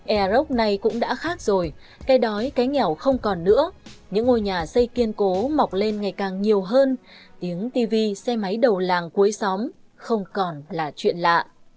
air rock này cũng đã khác rồi cái đói cái nghèo không còn nữa những ngôi nhà xây kiên cố mọc lên ngày càng nhiều hơn tiếng tv xe máy đầu làng cuối xóm không còn là chuyện lạ